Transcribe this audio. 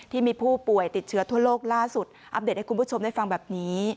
ที่มีผู้ป่วยติดเชื้อทั่วโลกล่าสุดอัปเดตให้คุณผู้ชมได้ฟังแบบนี้